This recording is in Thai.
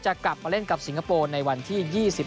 กลับมาเล่นกับสิงคโปร์ในวันที่๒๓